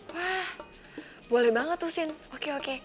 wah boleh banget tuh scene oke oke